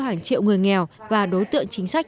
hàng triệu người nghèo và đối tượng chính sách